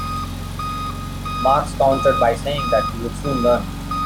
Marks countered by saying that he would soon learn.